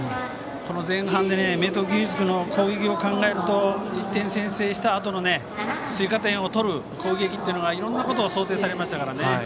前半で明徳義塾の攻撃を考えると１点を先制したあとの追加点を取る攻撃はいろんなことが想定されましたからね。